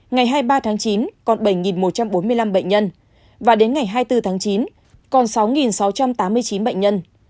ngày hai mươi ba tháng chín còn bảy một trăm bốn mươi năm bệnh nhân và đến ngày hai mươi bốn tháng chín còn sáu sáu trăm tám mươi chín bệnh nhân